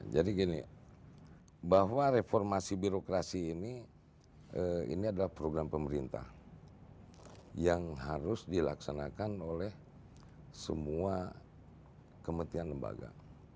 jadi gini bahwa reformasi birokrasi ini ini adalah program pemerintah yang harus dilaksanakan oleh semua kementrian lembaga